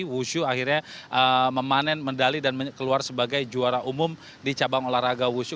wushu akhirnya memanen medali dan keluar sebagai juara umum di cabang olahraga wushu